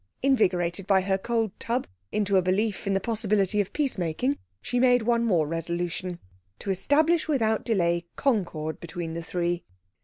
Invigorated by her cold tub into a belief in the possibility of peace making, she made one more resolution: to establish without delay concord between the three.